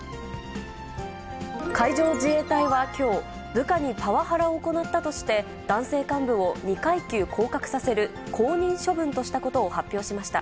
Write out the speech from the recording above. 海上自衛隊はきょう、部下にパワハラを行ったとして、男性幹部を２階級降格させる降任処分としたことを発表しました。